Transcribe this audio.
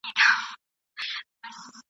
ذهن چي صفا وي خیالات به صفا وي ..